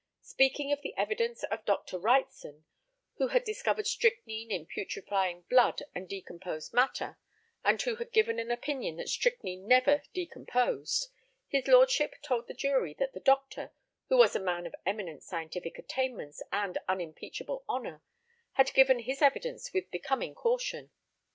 Speaking of the evidence of Dr. Wrightson, who had discovered strychnine in putrefying blood and decomposed matter, and who had given an opinion that strychnine never decomposed, his lordship told the jury that the doctor, who was a man of eminent scientific attainments and unimpeachable honour, had given his evidence with becoming caution.